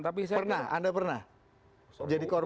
anda pernah jadi korban